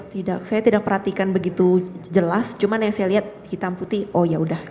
tidak saya tidak perhatikan begitu jelas cuma yang saya lihat hitam putih oh ya udah